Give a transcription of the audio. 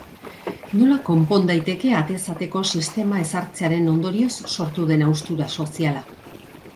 Nola konpondu daiteke atez ateko sistema ezartzearen ondorioz sortu den haustura soziala?